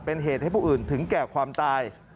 เป็นเหตุให้ผู้อื่นถึงแก่ความตาย